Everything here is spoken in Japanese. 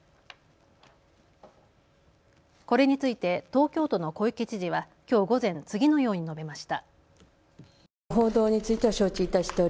これについて東京都の小池知事はきょう午前次のように述べました。